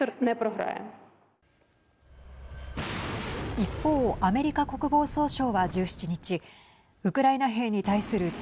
一方アメリカ国防総省は１７日ウクライナ兵に対する地